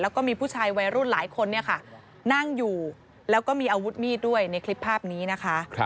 แล้วก็มีผู้ชายวัยรุ่นหลายคนเนี่ยค่ะนั่งอยู่แล้วก็มีอาวุธมีดด้วยในคลิปภาพนี้นะคะ